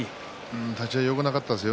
立ち合いよくなかったですよ。